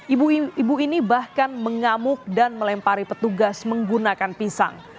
ibu ibu ini bahkan mengamuk dan melempari petugas menggunakan pisang